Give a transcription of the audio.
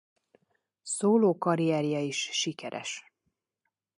Szólókarrierje is sikeres.